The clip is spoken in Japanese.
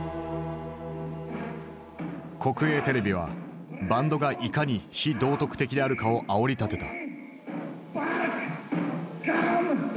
国営テレビはバンドがいかに非道徳的であるかをあおりたてた。